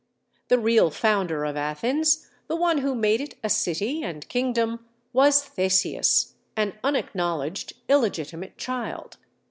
The real founder of Athens, the one who made it a city and kingdom, was Theseus; an unacknowledged illegitimate child.